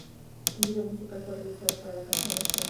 Un vídeo musical fue realizado para la canción "Shatter".